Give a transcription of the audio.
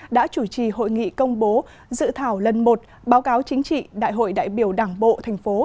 đã chủ trì hội nghị công bố dự thảo lần một báo cáo chính trị đại hội đại biểu đảng bộ thành phố